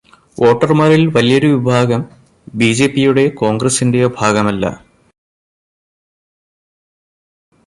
വോട്ടർമാരിൽ വലിയൊരു വിഭാഗം ബി.ജെ.പിയുടെയോ കോൺഗ്രസിന്റെയോ ഭാഗമല്ല.